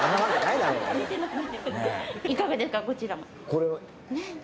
これは。